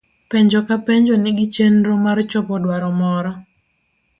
Penjo ka penjo nigi chenro mar chopo dwaro moro.